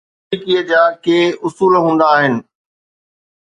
موسيقيءَ جا ڪي اصول هوندا آهن.